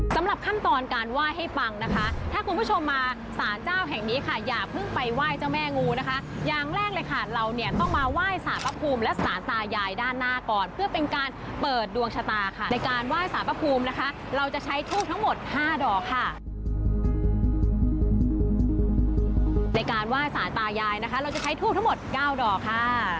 สำหรับขั้นตอนการไหว้ให้ฟังนะคะถ้าคุณผู้ชมมาสารเจ้าแห่งนี้ค่ะอย่าเพิ่งไปไหว้เจ้าแม่งูนะคะอย่างแรกเลยค่ะเราเนี่ยต้องมาไหว้สารประภูมิและสารตายายด้านหน้าก่อนเพื่อเป็นการเปิดดวงชะตาค่ะในการไหว้สารประภูมินะคะเราจะใช้ทุกข์ทั้งหมดห้าดอกค่ะ